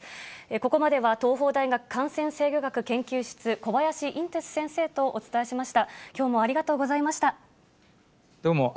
ここまでは、東邦大学感染制御学研究室、小林寅てつ先生とお伝えしました。